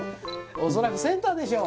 おそらくセンターでしょう